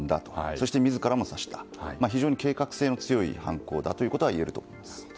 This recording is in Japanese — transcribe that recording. そして自らも刺した計画性の強い犯行だということは言えると思います。